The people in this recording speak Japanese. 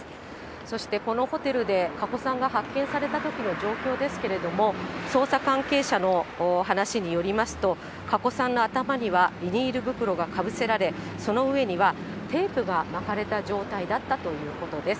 そしてこのホテルで加古さんが発見されたときの状況ですけれども、捜査関係者の話によりますと、加古さんの頭には、ビニール袋がかぶせられ、その上にはテープが巻かれた状態だったということです。